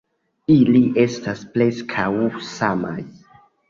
Ili estas preskaŭ samaj.